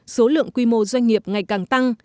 số lượng quy mô doanh nghiệp ngày càng tăng